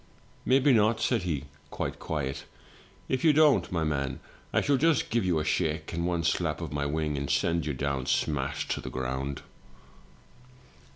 " 'Maybe not,' said he, quite quiet. 'If you don't, my man, I shall just give you a shake, and one slap of my wing, and send you down smash to the groimd!'